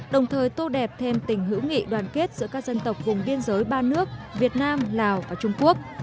đồng thời tô đẹp thêm tình hữu nghị đoàn kết giữa các dân tộc vùng biên giới ba nước việt nam lào và trung quốc